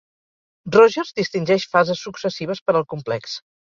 Rogers distingeix fases successives per al complex.